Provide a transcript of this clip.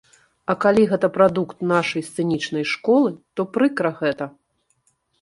А калі гэта прадукт нашай сцэнічнай школы, то прыкра гэта.